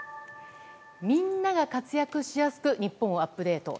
みんなが活躍しやすく日本をアップデート。